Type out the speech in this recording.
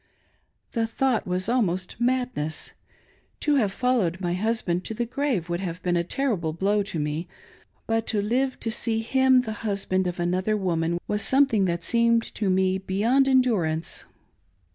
The thought was almost madness. To have followed my husband to the grave would have beej^i a terrible blow to me ; but to live to see him the husband of another woman was something that seemed to me beyopd en 28 454 "FOR ALL ETERNITY. durance.